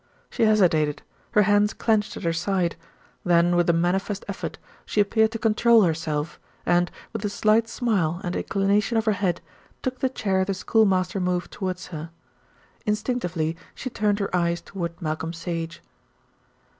She hesitated, her hands clenched at her side, then with a manifest effort she appeared to control herself and, with a slight smile and inclination of her head, took the chair the schoolmaster moved towards her. Instinctively she turned her eyes toward Malcolm Sage.